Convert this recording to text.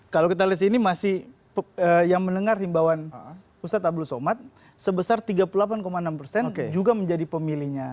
kalau kita lihat sini masih yang mendengar himbauan ustadz abdul somad sebesar tiga puluh delapan enam persen juga menjadi pemilihnya